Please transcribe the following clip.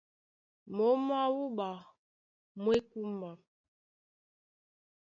Mǒm mwá wúɓa mú e kúmba.